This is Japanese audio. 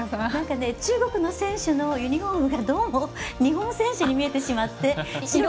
中国選手のユニフォームがどうも日本選手に見えてしまって。